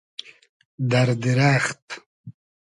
دئر دیرئخت